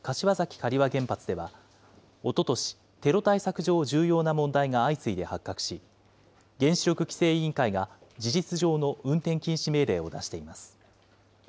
東京電力が再稼働を目指す柏崎刈羽原発では、おととし、テロ対策上重要な問題が相次いで発覚し、原子力規制委員会が事実上の運転禁止命令を出しています。